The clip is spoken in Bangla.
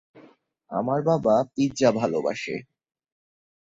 আমার বাবা পিজ্জা ভালবাসে।